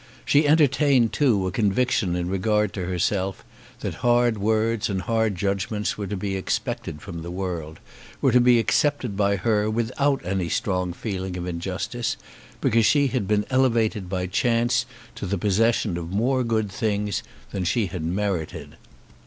She entertained, too, a conviction in regard to herself, that hard words and hard judgments were to be expected from the world, were to be accepted by her without any strong feeling of injustice, because she had been elevated by chance to the possession of more good things than she had merited.